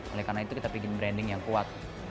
oleh karena itu kita bikin branding yang kuat